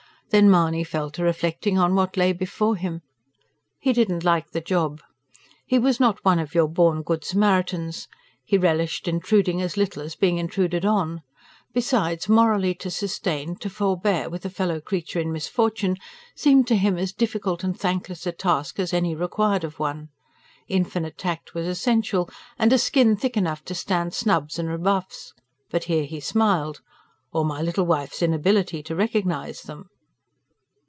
Then, Mahony fell to reflecting on what lay before him. He didn't like the job. He was not one of your born good Samaritans: he relished intruding as little as being intruded on. Besides, morally to sustain, to forbear with, a fellow creature in misfortune, seemed to him as difficult and thankless a task as any required of one. Infinite tact was essential, and a skin thick enough to stand snubs and rebuffs. But here he smiled. "Or my little wife's inability to recognise them!"